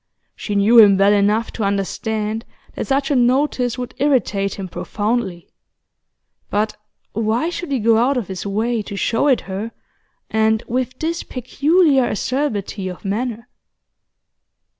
She knew him well enough to understand that such a notice would irritate him profoundly; but why should he go out of his way to show it her, and with this peculiar acerbity of manner?